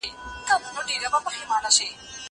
زه اجازه لرم چي خواړه ورکړم!